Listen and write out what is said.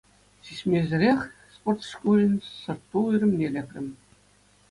Сисмесӗрех спорт шкулӗн сӑрт-ту уйрӑмне лекрӗм.